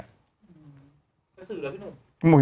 กะสือกรึเป็นนุ่ม